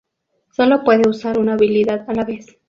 Solo puede usar una habilidad a la vez.